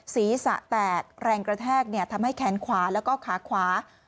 ศีรษะแตกแรงกระแทกทำให้แขนขวาแล้วก็ขาขวา